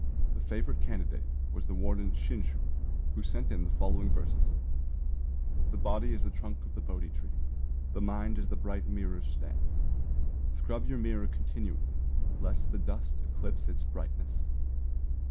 The favourite candidate was the warden Shinshū, who sent in the following verses: _The body is the trunk of the Bodhi tree; The mind is the bright mirror's stand; Scrub your mirror continually, Lest the dust eclipse its brightness.